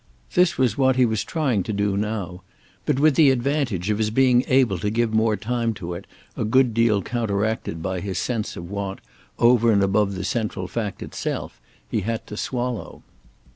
This was what he was trying to do now; but with the advantage of his being able to give more time to it a good deal counteracted by his sense of what, over and above the central fact itself, he had to swallow.